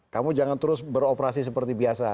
kamu jangan terus beroperasi seperti biasa